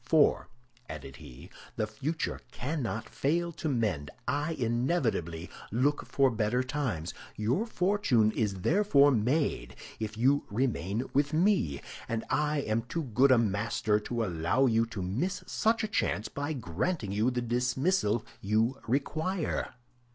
"For," added he, "the future cannot fail to mend; I inevitably look for better times. Your fortune is therefore made if you remain with me, and I am too good a master to allow you to miss such a chance by granting you the dismissal you require."